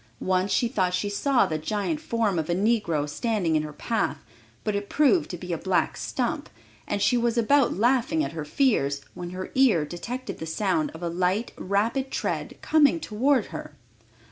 Once she thought she saw the giant form of a negro standing in her path, but it proved to be a black stump, and she was about laughing at her fears, when her ear detected the sound of a light, rapid tread coming toward her.